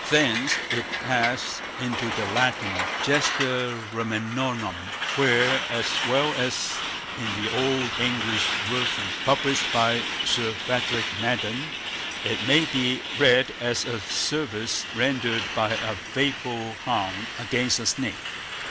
Thence it passed into the Latin Gesta Romanorum, where, as well as in the Old English version published by Sir Frederick Madden, it may be read as a service rendered by a faithful hound against a snake.